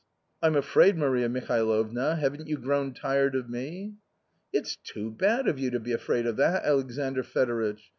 " I'm afraid, Maria Mihalovna, haven't you grown tired ofme?" "It's too bad of you to be afraid of that, Alexandr Fedoritch